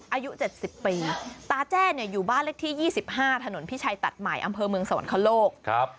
อายุ๗๐ปีตาแจ้เนี่ยอยู่บ้านเลขที่๒๕ถนนพิชัยตัดใหม่อำเภอเมืองสวรรคโลก